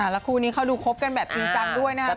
แล้วคู่นี้เขาดูคบกันแบบจริงจังด้วยนะครับ